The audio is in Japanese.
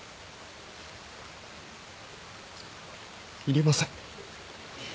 いりません。